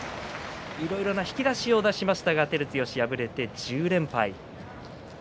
いろいろな引き出しを出しましたけれども照強、敗れて１０連敗。